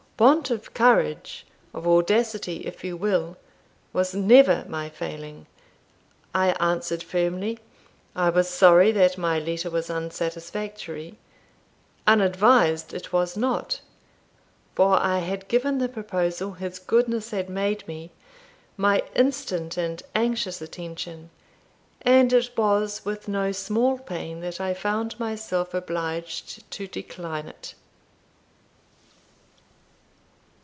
Want of courage of audacity if you will was never my failing. I answered firmly, "I was sorry that my letter was unsatisfactory, unadvised it was not; for I had given the proposal his goodness had made me, my instant and anxious attention, and it was with no small pain that I found myself obliged to decline it."